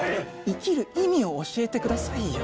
生きる意味を教えてくださいよ。